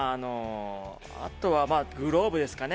あとはグローブですかね。